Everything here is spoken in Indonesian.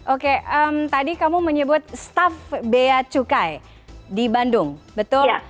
oke tadi kamu menyebut staff bea cukai di bandung betul